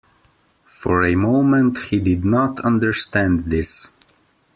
For a moment he did not understand this.